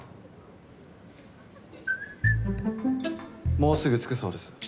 もうすぐ着くそうです。